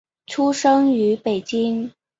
出生于北京。